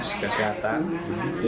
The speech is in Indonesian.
setelah apa itu